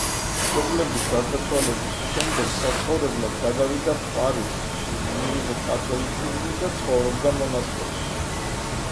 მშობლების გარდაცვალების შემდეგ საცხოვრებლად გადვაიდა პარიზში მიიღო კათოლიციზმი და ცხოვრობდა მონასტერში.